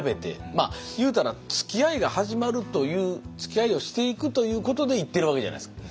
まあ言うたらつきあいが始まるというつきあいをしていくということで行ってるわけじゃないですか。